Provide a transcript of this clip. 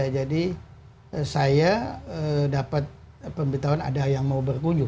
jadi saya dapat pemberitahuan ada yang mau berkunjung